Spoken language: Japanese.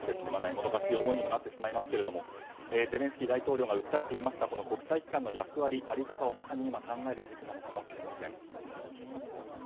もどかしい思いにもなってしまいますがゼレンスキー大統領が訴えていました国際機関の役割、在り方をまさに今考える時期なのかもしれません。